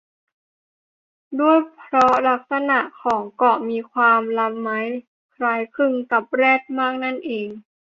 ด้วยเพราะลักษณะของเกาะมีความละม้ายคล้ายคลึงกับแรดมากนั่นเอง